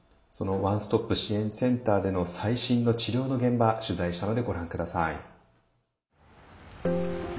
そのワンストップ支援センターでの最新の治療の現場取材したのでご覧下さい。